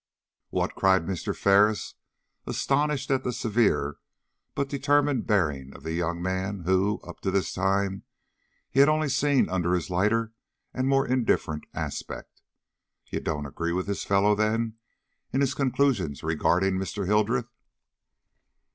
"What!" cried Mr. Ferris, astonished at the severe but determined bearing of the young man who, up to this time, he had only seen under his lighter and more indifferent aspect. "You don't agree with this fellow, then, in his conclusions regarding Mr. Hildreth?"